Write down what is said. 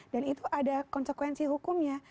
dan itu ada konsekuensi hukumnya